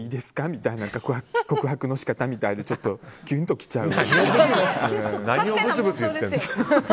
みたいな告白の仕方みたいでちょっとキュンときちゃう。